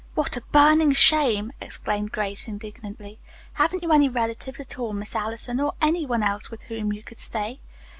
"What a burning shame!" exclaimed Grace indignantly. "Haven't you any relatives at all, Miss Allison, or any one else with whom you could stay?"